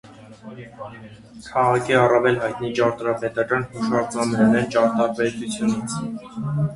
Քաղաքի առավել հայտնի ճարտարապետական հուշարձաններն են. ճարտարապետությունից։